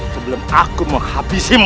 sebelum aku menghabisimu